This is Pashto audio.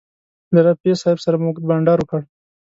له رفیع صاحب سره مو اوږد بنډار وکړ.